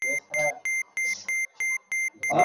মুসলমানরা তোমাদের নাম শুনতেই আঁৎকে ওঠে।